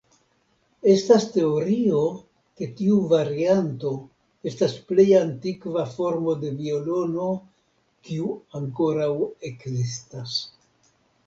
Estas teorio ke tiu varianto estas plej antikva formo de violono kiu ankoraŭ ekzistas.